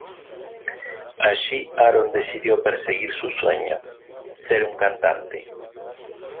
Allí Aron decidió perseguir su sueño; ser un cantante.